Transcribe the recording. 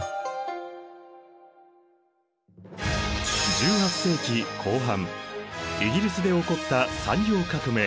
１８世紀後半イギリスで起こった産業革命。